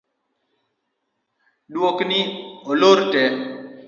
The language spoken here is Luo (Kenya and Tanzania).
Dukni olor tee